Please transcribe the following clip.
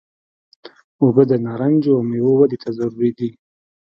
اوبه د نارنجو او میوو ودې ته ضروري دي.